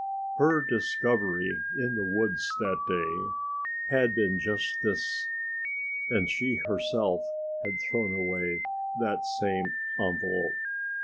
Her discovery in the woods that day had been just this and she herself had thrown away that same envelope.